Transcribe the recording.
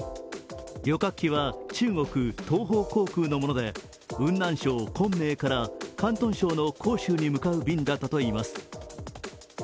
旅客機は中国東方航空のもので雲南省昆明から広東省の広州に向かう便だったといいます。